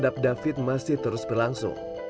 terhadap david masih terus berlangsung